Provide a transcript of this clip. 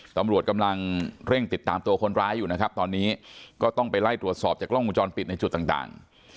ตำรวจกำลังเร่งติดตามตัวคนร้ายอยู่นะครับตอนนี้ก็ต้องไปไล่ตรวจสอบจากกล้องวงจรปิดในจุดต่าง